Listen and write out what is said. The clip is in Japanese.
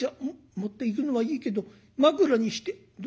持っていくのはいいけど枕にしてる。